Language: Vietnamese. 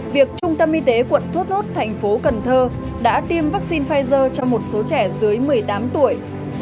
việc trung tâm y tế quận thốt nốt thành phố cần thơ đã tiêm vaccine cho một số trẻ dưới một mươi tám tuổi